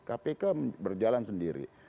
kpk berjalan sendiri